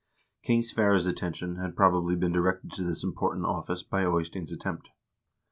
King Sverre's attention had, probably, been directed to this important office by Eystein 's attempt.